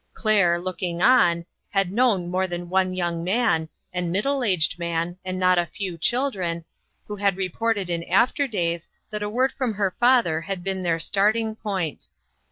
Claire, looking on, had known more than one young man, and mid dle aged man, and not a few children, who had reported in after days that a word from her father had been their starting point.